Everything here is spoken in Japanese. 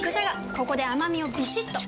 ここで甘みをビシッと！